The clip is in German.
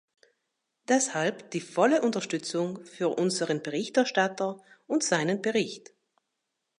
Deshalb die volle Unterstützung für unseren Berichterstatter und seinen Bericht.